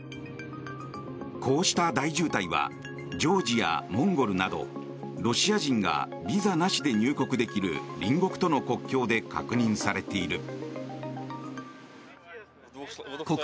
こうした大渋滞はジョージア、モンゴルなどロシア人がビザなしで入国できる隣国との国境で確認されている。